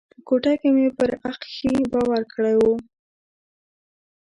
په کوټه کې مې پر اخښي بار کړی و.